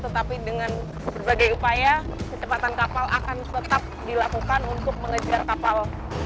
tetapi dengan berbagai upaya kecepatan kapal akan tetap dilakukan untuk mengejar kapal